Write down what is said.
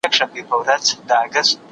ډاکټر جان وايي ملاتړ اړیکې ټینګوي.